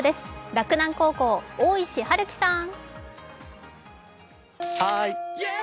洛南高校、大石晴貴さん。